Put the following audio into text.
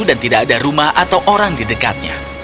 dan tidak ada rumah atau orang di dekatnya